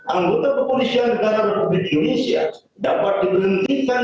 anggota kepolisian negara republik indonesia dapat diberhentikan